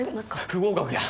不合格や。